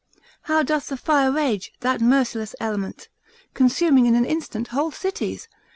How doth the fire rage, that merciless element, consuming in an instant whole cities?